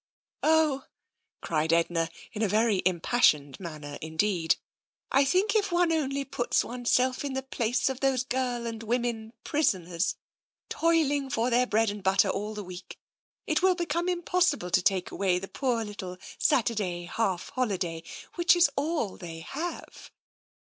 Oh," cried Edna, in a very im passioned manner indeed, " I think if one only puts oneself into the place of those girl and women prison TENSION 97 ers, toiling for their bread and butter all the week, it will become impossible to take away the poor little Saturday half holiday which is all they have!